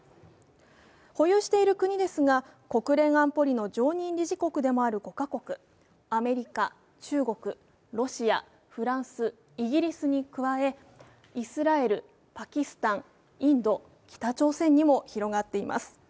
保有している国ですが、国連安保理の常任理事国でもある５か国、アメリカ、中国、ロシア、フランス、イギリスに加えイスラエル、パキスタン、インド、北朝鮮にも広がっています。